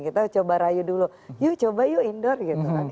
kita coba rayu dulu yuk coba yuk indoor gitu kan